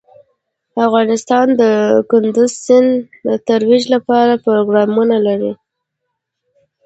افغانستان د کندز سیند د ترویج لپاره پروګرامونه لري.